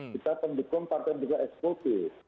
kita pendukung partai pendidikan eksklusif